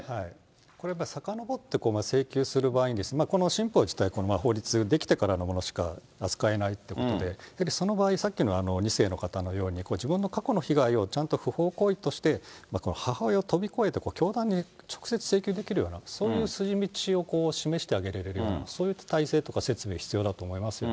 これはやっぱりさかのぼって請求する場合に、この新法自体、この法律出来てからのものしか扱えないってことで、やはりその場合、さっきの２世の方のように自分の過去の被害をちゃんと不法行為として母親を飛び越えて教団に直接請求できるような、そういう筋道を示してあげれるような、そういう体制とか設備が必要だと思いますよ。